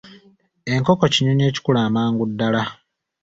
Enkoko kinyonyi ekikula amangu ddala.